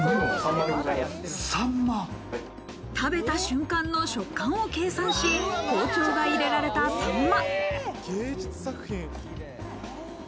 食べた瞬間の食感を計算し、包丁が入れられたサンマ。